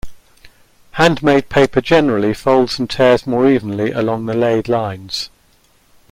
Handmade paper generally folds and tears more evenly along the laid lines.